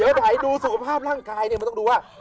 เดี๋ยวไหนดูสุขภาพร่างกายเนี่ยมันต้องดูว่า